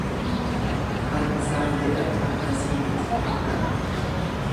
Kan isaan jedhan akkasii miti akkana.